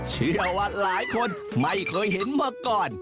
เชื่อว่าหลายคนไม่เคยเห็นมาก่อน